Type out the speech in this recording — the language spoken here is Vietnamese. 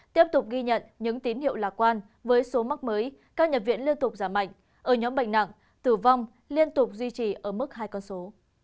tiếp tục ghi nhận những tín hiệu lạc quan với số mắc mới các nhập viện liên tục giảm mạnh ở nhóm bệnh nặng tử vong liên tục duy trì ở mức hai con số